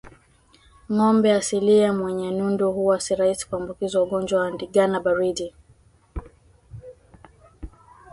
Ngombe asilia mwenye nundu huwa si rahisi kuambukizwa ugonjwa wa ndigana baridi